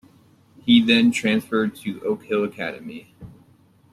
He then transferred to Oak Hill Academy.